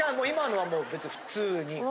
今のはもう別に普通に。